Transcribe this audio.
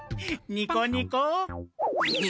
ニコニコ。